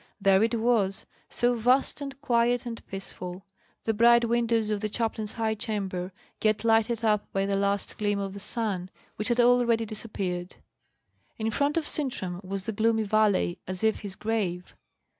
There it was, so vast and quiet and peaceful; the bright windows of the chaplain's high chamber yet lighted up by the last gleam of the sun, which had already disappeared. In front of Sintram was the gloomy valley, as if his grave.